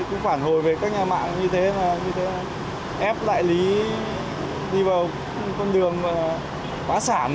cũng phản hồi về các nhà mạng như thế là ép đại lý đi vào con đường hóa sản